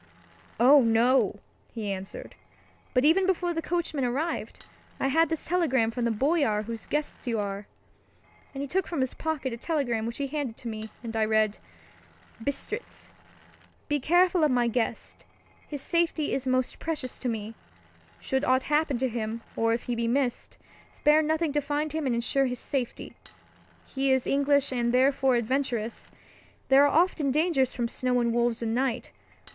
"Oh, no!" he answered, "but even before the coachman arrived, I had this telegram from the Boyar whose guest you are," and he took from his pocket a telegram which he handed to me, and I read: Bistritz. Be careful of my guest—his safety is most precious to me. Should aught happen to him, or if he be missed, spare nothing to find him and ensure his safety. He is English and therefore adventurous. There are often dangers from snow and wolves and night.